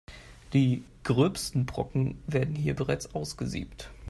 Die gröbsten Brocken werden hier bereits ausgesiebt.